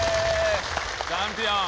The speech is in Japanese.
チャンピオン！